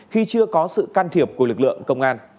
khi chưa có sự can thiệp của lực lượng công an